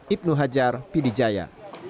ibnu hajar pdjaya